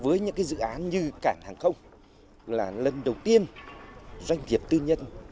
với những dự án như cảng hàng không là lần đầu tiên doanh nghiệp tư nhân